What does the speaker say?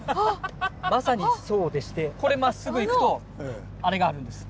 まさにそうでしてこれまっすぐ行くとあれがあるんです。